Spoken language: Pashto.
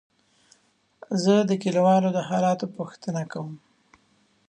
زه د کليوالو د حالاتو پوښتنه کوم.